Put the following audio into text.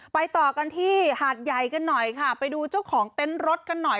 ต่อกันที่หาดใหญ่กันหน่อยค่ะไปดูเจ้าของเต็นต์รถกันหน่อย